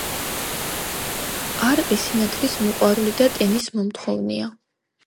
არყი სინათლის მოყვარული და ტენის მომთხოვნია.